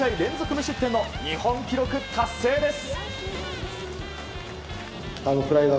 無失点の日本記録達成です。